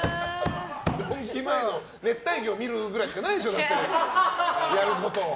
ドンキ前の熱帯魚見るしかないでしょやること。